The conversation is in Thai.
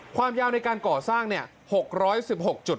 ความยาวในการก่อสร้างเนี่ย